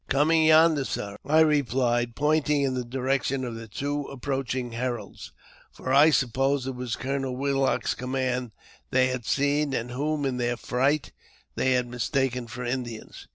•* Coming yonder, sir," I replied, pointing in the direction of the two approaching heralds ; for I supposed it was Colonel 408 . AUTOBIOGBAPHY OF Willock's command they had seen, and whom, in their fright, they had mistaken for Indians.